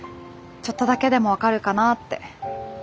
ちょっとだけでも分かるかなって。